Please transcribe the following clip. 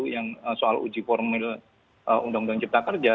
yang soal uji formil undang undang cipta kerja